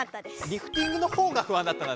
リフティングの方が不安だったんだ。